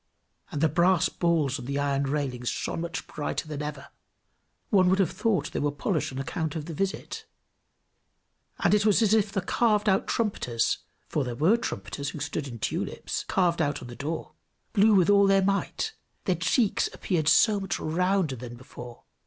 And the brass balls on the iron railings shone much brighter than ever; one would have thought they were polished on account of the visit; and it was as if the carved out trumpeters for there were trumpeters, who stood in tulips, carved out on the door blew with all their might, their cheeks appeared so much rounder than before.